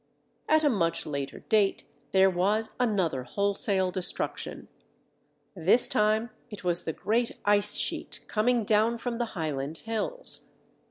At a much later date, there was another wholesale destruction. This time, it was the great Ice Sheet coming down from the Highland hills.